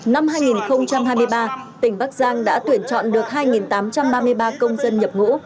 năm hai nghìn hai mươi ba tỉnh bắc giang đã tuyển chọn được hai tám trăm ba mươi ba công dân nhập ngũ